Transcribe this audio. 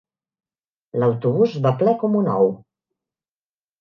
L'autobús va ple com un ou.